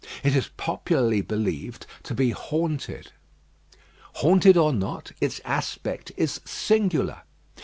It is popularly believed to be haunted. Haunted or not, its aspect is singular.